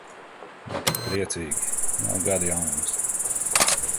Ne tik priecīgi, nav gada jaunums.